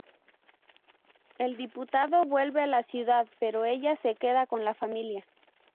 El diputado vuelve a la ciudad pero ella se queda con la familia.